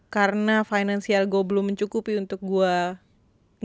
karena finansial gue belum mencukupi untuk gue